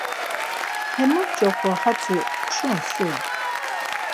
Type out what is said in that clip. Emuşi coxo atzi kşunsi?